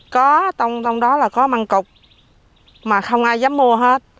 có trong đó là có măng cục mà không ai dám mua hết